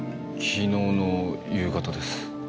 昨日の夕方です。